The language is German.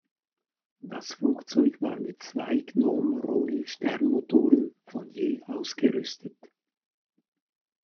Das Flugzeug war mit zwei Gnôme-Rhône-Sternmotoren von je ausgerüstet.